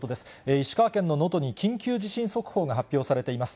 石川県の能登に緊急地震速報が発表されています。